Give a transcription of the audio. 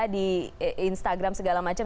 di instagram segala macam